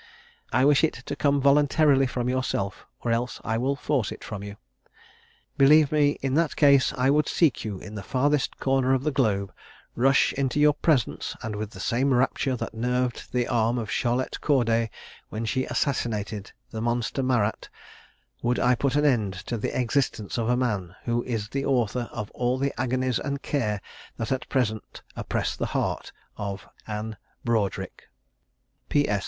I wish it to come voluntarily from yourself, or else I will force it from you. Believe me, in that case I would seek you in the farthest corner of the globe, rush into your presence, and, with the same rapture that nerved the arm of Charlotte Cordet, when she assassinated the monster Marat, would I put an end to the existence of a man, who is the author of all the agonies and care that at present oppress the heart of "ANNE BROADRIC." "P. S.